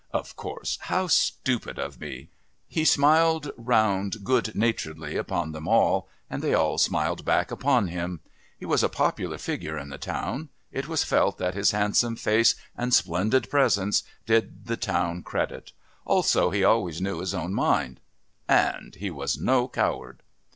Of course, how stupid of me!" He smiled round good naturedly upon them all, and they all smiled back upon him. He was a popular figure in the town; it was felt that his handsome face and splendid presence did the town credit. Also, he always knew his own mind. And he was no coward.